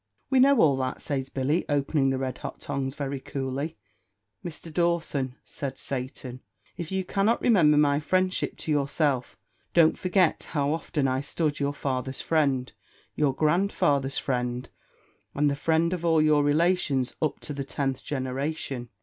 "We know all that," says Billy, opening the red hot tongs very coolly. "Mr. Dawson," said Satan, "if you cannot remember my friendship to yourself, don't forget how often I stood your father's friend, your grandfather's friend, and the friend of all your relations up to the tenth generation.